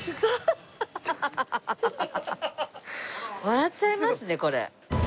笑っちゃいますねこれ。